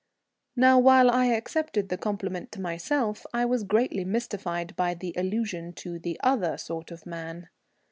Now while I accepted the compliment to myself, I was greatly mystified by the allusion to the "other sort of man."